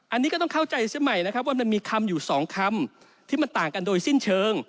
อันนี้ก็ต้องเข้าใจซะใหม่นะครับว่ามันมีคำอยู่สองคำที่มันต่างกันโดยสิ้นเชิง